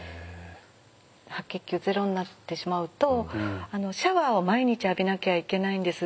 白血球ゼロになってしまうとシャワーを毎日浴びなきゃいけないんです。